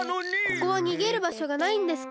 ここはにげるばしょがないんですか？